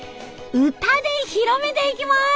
歌で広めていきます。